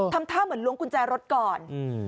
ทำท่าเหมือนล้วงกุญแจรถก่อน